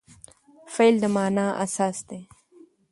فعل د مانا اساس دئ.